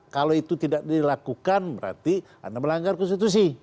kalau itu tidak dilakukan berarti anda melanggar konstitusi